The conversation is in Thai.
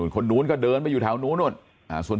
คนโน้นก็เดินไปอยู่แถวโน้นนู้น